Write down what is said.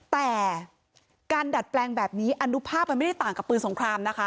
แต่การดัดแปลงแบบนี้อนุภาพมันไม่ได้ต่างกับปืนสงครามนะคะ